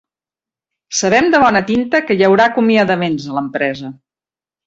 Sabem de bona tinta que hi haurà acomiadaments a l'empresa.